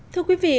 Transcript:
thưa quý vị